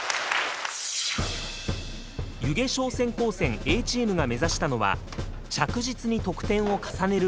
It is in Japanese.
弓削商船高専Ａチームが目指したのは着実に得点を重ねるロボット。